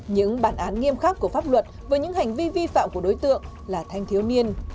những bản án nghiêm khắc của pháp luật với những hành vi vi phạm của đối tượng là thanh thiếu niên